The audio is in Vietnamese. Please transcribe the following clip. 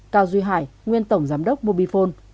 cao duy hải nguyên tổng giám đốc mobifone